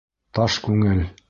Таш күңел.